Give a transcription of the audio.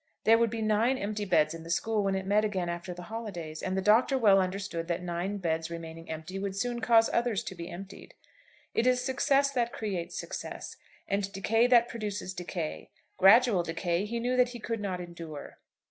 There would be nine empty beds in the school when it met again after the holidays; and the Doctor well understood that nine beds remaining empty would soon cause others to be emptied. It is success that creates success, and decay that produces decay. Gradual decay he knew that he could not endure.